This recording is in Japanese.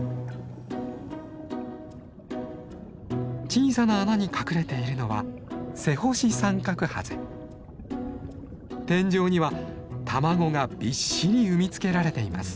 小さな穴に隠れているのは天井には卵がびっしり産み付けられています。